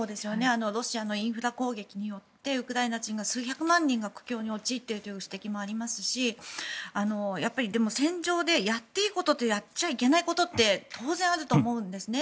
ロシアのインフラ攻撃によってウクライナ人の数百万人が苦境に陥っているという指摘もありますし戦場でやっていいこととやっちゃいけないことって当然あると思うんですね。